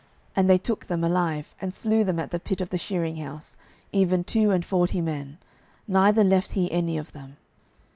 And they took them alive, and slew them at the pit of the shearing house, even two and forty men; neither left he any of them.